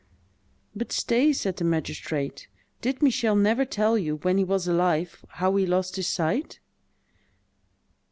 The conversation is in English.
"But stay," said the magistrate: "did Michel never tell you, when he was alive, how he lost his sight?"